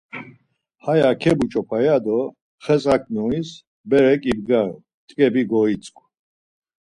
Haya kebuç̌opa ya do xes aǩnuis berek ibgaru, t̆ǩebi goitzǩu.